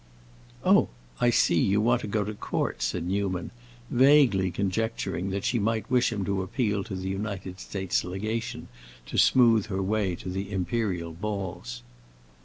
"Oh, I see; you want to go to court," said Newman, vaguely conjecturing that she might wish him to appeal to the United States legation to smooth her way to the imperial halls.